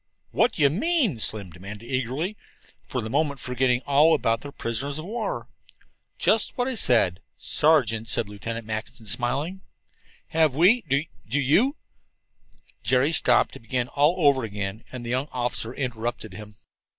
"What do you mean?" Slim demanded eagerly, for the moment forgetting all about their prisoners of war. "Just what I said sergeants," said Lieutenant Mackinson, smiling. "Have we Do you " Jerry stopped to begin all over again, and the young officer interrupted him.